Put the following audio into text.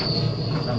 belum pas stasiun